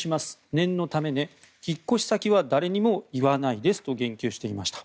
念のためね引っ越し先は誰にも言わないですと言及していました。